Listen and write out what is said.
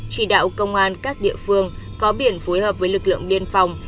chỉ đạo công an các địa phương có biển phối hợp với lực lượng biên phòng